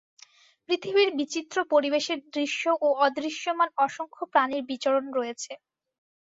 পৃথিবীর বিচিত্র পরিবেশের দৃশ্য ও অদৃশ্যমান অসংখ্য প্রাণীর বিচরণ রয়েছে।